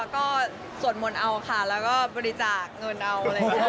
ก็ส่วนหมดเอาค่ะแล้วก็บริจาคเงินเอา